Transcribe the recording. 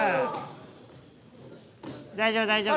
大丈夫大丈夫。